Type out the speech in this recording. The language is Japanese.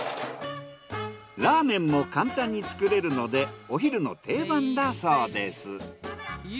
ラーメンも簡単に作れるのでお昼の定番だそうです。